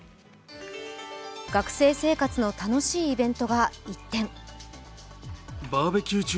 学生生活の楽しいイベントが一転。